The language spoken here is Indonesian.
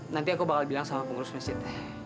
nanti aku bakal bilang sama pengurus masjid